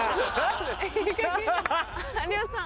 有吉さん